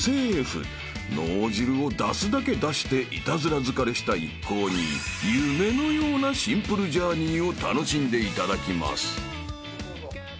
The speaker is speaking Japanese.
［脳汁を出すだけ出してイタズラ疲れした一行に夢のようなシンプルジャーニーを楽しんでいただきます］